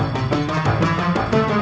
aku akan menangkapmu